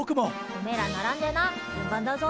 おめえら並んでな順番だぞ。